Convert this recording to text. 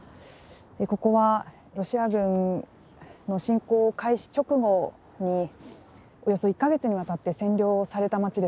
ここはロシア軍の侵攻開始直後におよそ１か月にわたって占領された街です。